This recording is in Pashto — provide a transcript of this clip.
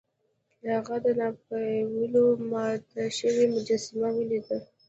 هغه د ناپلیون ماته شوې مجسمه ولیده.